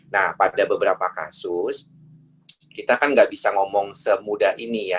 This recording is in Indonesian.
nah pada beberapa kasus kita kan nggak bisa ngomong semudah ini ya